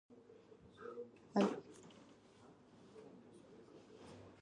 Ugedeja vadībā mongoļi iekaroja Persiju, Ķīnu, Armēniju, Gruziju, Azerbaidžānu, Alāniju un Koreju.